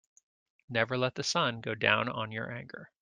Never let the sun go down on your anger.